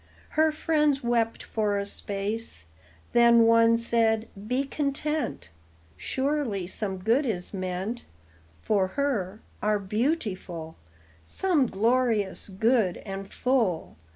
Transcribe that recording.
Her friends wept for a space; Then one said: "Be content; Surely some good is meant For her, our Beautiful, Some glorious good and full.